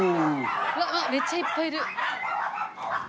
わっめっちゃいっぱいいる。